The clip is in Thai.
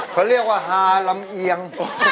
เขาเรียกว่าฮาลำเอียง